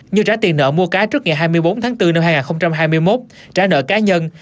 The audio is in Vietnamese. như trả tiền nợ mua cá trước ngày hai mươi bốn tháng bốn năm hai nghìn hai mươi một trả nợ cá nhân